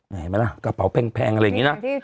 เห็นไหมล่ะกระเป๋าแพงอะไรอย่างนี้นะ